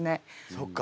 そっか。